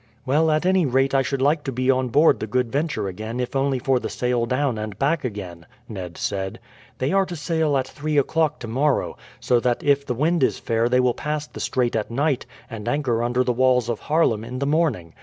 "Well, at any rate I should like to be on board the Good Venture again if only for the sail down and back again," Ned said. "They are to sail at three o'clock tomorrow, so that if the wind is fair they will pass the strait at night and anchor under the walls of Haarlem in the morning.